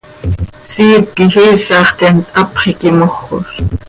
Siip quij iisax theemt, hapx iiqui mojoz.